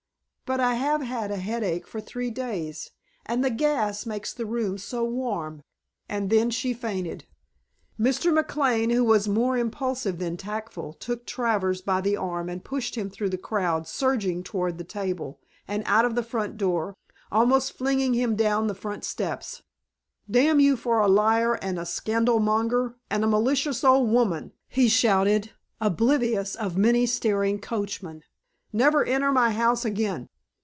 But I have had a headache for three days and the gas makes the room so warm." And then she fainted. Mr. McLane, who was more impulsive than tactful, took Travers by the arm and pushed him through the crowd surging toward the table, and out of the front door, almost flinging him down the front steps. "Damn you for a liar and a scandalmonger and a malicious old woman!" he shouted, oblivious of many staring coachmen. "Never enter my house again."